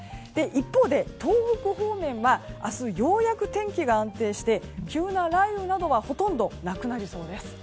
一方で東北方面は明日、ようやく天気が安定して急な雷雨などはほとんどなくなりそうです。